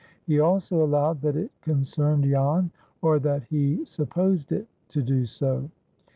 He also allowed that it concerned Jan, or that he supposed it to do so.